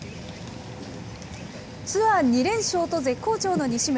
ツアー２連勝と絶好調の西村。